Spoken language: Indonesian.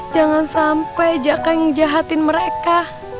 jangan sampai jaka yang jahatin mereka